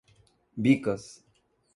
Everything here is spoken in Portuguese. Bicas